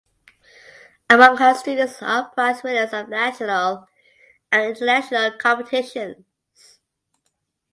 Among her students are prize winners of national and international competitions.